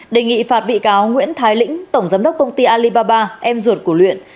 đề nghị phạt bị cáo nguyễn thái lĩnh tổng giám đốc công ty alibaba em ruột của luyện